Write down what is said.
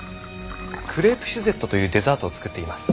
クレープシュゼットというデザートを作っています。